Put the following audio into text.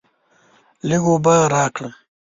لږ اوبه راکړه!